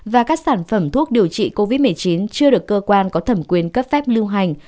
và các sản phẩm thuốc điều trị covid một mươi chín chưa được cơ quan có thẩm quyền cấp phép lưu hành